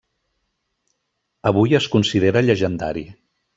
Avui es considera llegendari.